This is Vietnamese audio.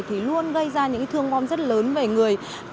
thì luôn gây ra những thương vong rất lớn về người